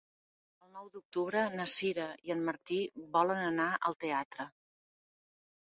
El nou d'octubre na Sira i en Martí volen anar al teatre.